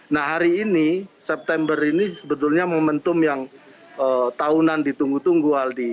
nah hari ini september ini sebetulnya momentum yang tahunan ditunggu tunggu aldi